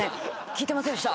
聞いてませんでした。